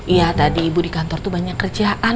iya tadi ibu di kantor tuh banyak kerjaan